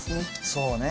そうね。